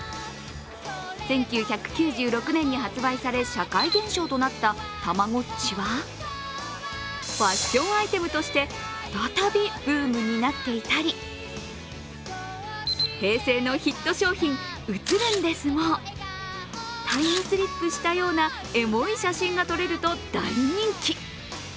１９９６年に発売され社会現象となった、たまごっちは、ファッションアイテムとして再びブームになっていたり平成のヒット商品写ルンですもタイムスリップしたようなエモい写真が撮れると大人気。